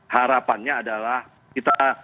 harapannya adalah kita